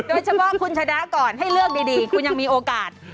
โดยเฉพาะคุณชนะก่อนให้เลือกดีคุณยังมีโอกาส